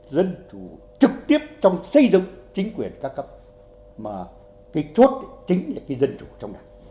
dân chủ trực tiếp trong xây dựng chính quyền ca cấp mà cái chốt chính là cái dân chủ trong đảng